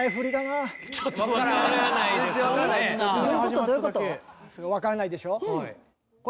わからないでしょ？